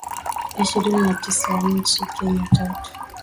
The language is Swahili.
ishirini na tisanchini Kenya tatu